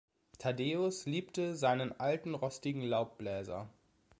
Thaddäus liebte seinen alten, rostigen Laubbläser.